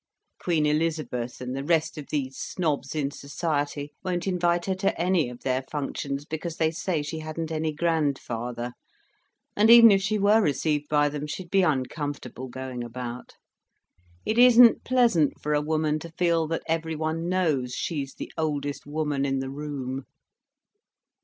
Queen Elizabeth and the rest of these snobs in society won't invite her to any of their functions because they say she hadn't any grandfather; and even if she were received by them, she'd be uncomfortable going about. It isn't pleasant for a woman to feel that every one knows she's the oldest woman in the room."